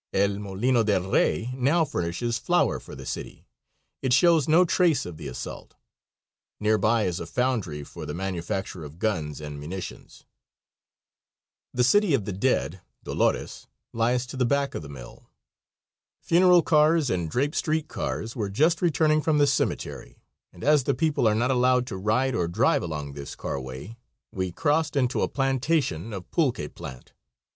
El Molino del Rey now furnishes flour for the city. It shows no trace of the assault. Near by is a foundry for the manufacture of guns and munitions. The city of the dead, Dolores, lies to the back of the mill. Funeral cars and draped street cars were just returning from the cemetery, and as the people are not allowed to ride or drive along this carway, we crossed into a plantation of pulque plant.